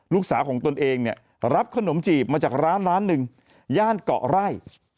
ลูกสาวของตนเองเนี่ยรับขนมจีบมาจากร้านร้านหนึ่งย่านเกาะไร่